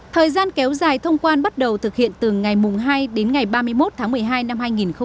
thời gian kéo dài thông quan bắt đầu thực hiện từ ngày hai đến ngày ba mươi một tháng một mươi hai năm hai nghìn hai mươi